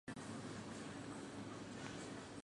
长肢攀蜥为飞蜥科攀蜥属的爬行动物。